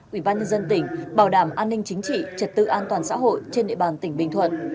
ủy ban nhân dân tỉnh bảo đảm an ninh chính trị trật tự an toàn xã hội trên địa bàn tỉnh bình thuận